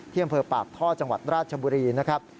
ที่บริเวณปากท่อจังหวัดราชบุรีนะครับ